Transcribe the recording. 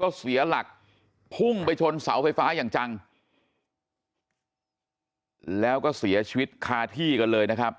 ก็เสียหลักพุ่งไปชนเสาไฟฟ้าอย่างจังแล้วก็เสียชีวิตคาที่กันเลยนะครับ